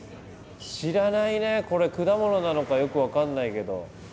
これ果物なのかよく分かんないけど。